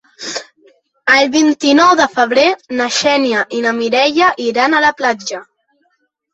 El vint-i-nou de febrer na Xènia i na Mireia iran a la platja.